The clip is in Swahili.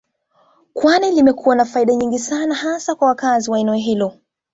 Kwani limekuwa na faida nyingi sana hasa kwa wakazi wa eneo hilo